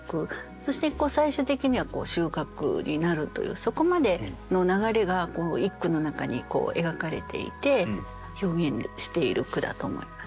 そして最終的には収穫になるというそこまでの流れがこの一句の中に描かれていて表現している句だと思います。